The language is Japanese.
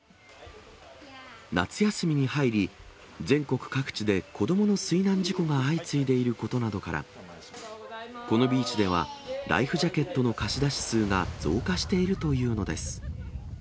夏休みに入り、全国各地で子どもの水難事故が相次いでいることなどから、このビーチでは、ライフジャケットの貸し出し数が増加しているというのです。